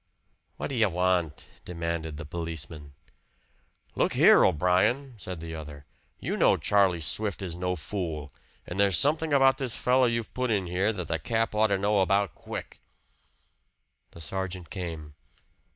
"What do you want?" demanded the policeman. "Look here, O'Brien," said the other. "You know Charlie Swift is no fool. And there's something about this fellow you've put in here that the cap ought to know about quick." The sergeant came.